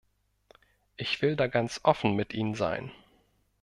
Ich will da ganz offen mit Ihnen sein.